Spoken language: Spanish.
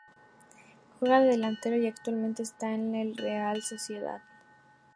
Juega de delantero y actualmente está en el Real Sociedad.